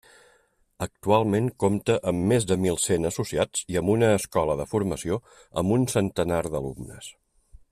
Actualment compta amb més de mil cent associats i amb una escola de formació amb un centenar d'alumnes.